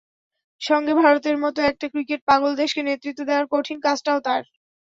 সঙ্গে ভারতের মতো একটি ক্রিকেট পাগল দেশকে নেতৃত্ব দেওয়ার কঠিন কাজটাও তাঁর।